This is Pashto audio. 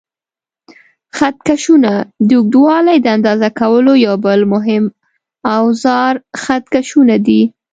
خط کشونه: د اوږدوالي د اندازه کولو یو بل مهم اوزار خط کشونه دي.